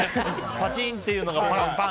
パチン！っていうのがパン！